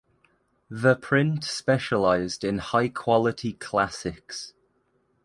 The print specialized in high quality classics.